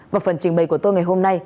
và phần trình bày của tôi ngày hôm nay